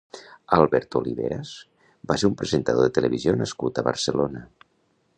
Alberto Oliveras va ser un presentador de televisió nascut a Barcelona.